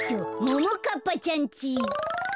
ももかっぱちゃんち。